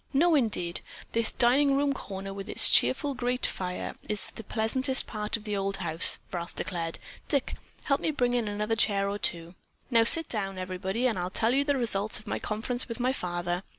"No indeed. This dining room corner with its cheerful grate fire is the pleasantest part of the old house," Ralph declared. "Dick, help me bring in another chair or two." "Now sit down, everybody, and I'll tell you the results of my conference with my father."